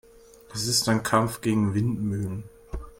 Es ist ein Kampf gegen Windmühlen.